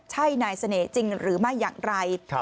ใช่นายเสน่ห์จริงหรือไม่อย่างไร